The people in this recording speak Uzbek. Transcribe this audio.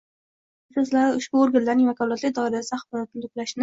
va axborot resurslari ushbu organlarning vakolatlari doirasida axborotni to‘plashni